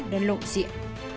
đã lộ diện